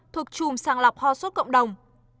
thuộc chùm sàng lọc ho sốt cộng đồng